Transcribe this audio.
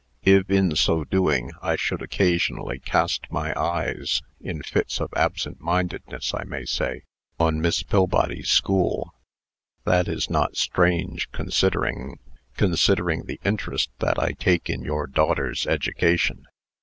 If, in so doing, I should occasionally cast my eyes in fits of absent mindedness, I may say on Miss Pillbody's school, that is not strange, considering considering the interest that I take in your daughter's education.